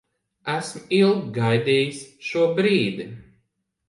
Esmu ilgi gaidījis šo brīdi.